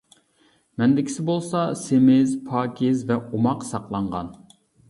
مەندىكىسى بولسا سېمىز، پاكىز ۋە ئوماق ساقلانغان!